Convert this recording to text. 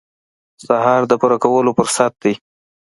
سهار د پوره کولو فرصت دی.